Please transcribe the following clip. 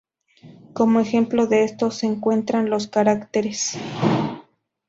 Como ejemplo de esto se encuentran los caracteres 靟 y 靠.